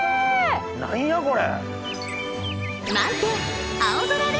何やこれ！